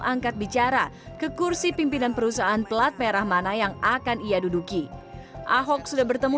angkat bicara ke kursi pimpinan perusahaan pelat merah mana yang akan ia duduki ahok sudah bertemu